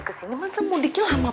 kesini mah sembunyiknya lama pak